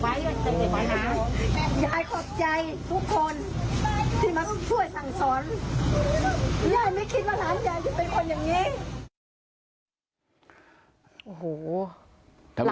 ยายไม่คิดว่าหลานยายจะเป็นคนอย่างนี้